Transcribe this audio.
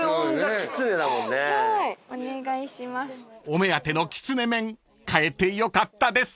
［お目当ての狐面買えてよかったです］